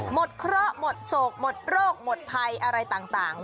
เคราะห์หมดโศกหมดโรคหมดภัยอะไรต่าง